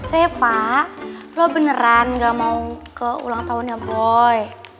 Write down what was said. reva gue beneran gak mau ke ulang tahunnya boy